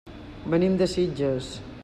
Venim de Sitges.